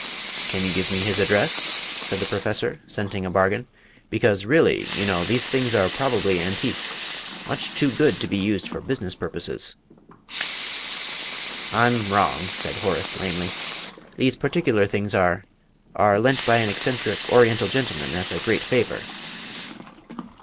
"Can you give me his address?" said the Professor, scenting a bargain; "because really, you know, these things are probably antiques much too good to be used for business purposes." "I'm wrong," said Horace, lamely; "these particular things are are lent by an eccentric Oriental gentleman, as a great favour."